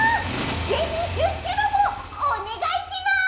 ぜひシュッシュのもおねがいします！